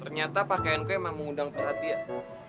ternyata pakaian emang mengundang perhatian